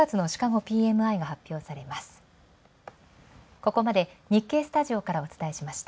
ここまで日経スタジオからお伝えしました。